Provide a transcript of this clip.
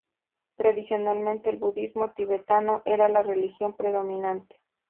Tradicionalmente, el budismo tibetano era la religión predominante.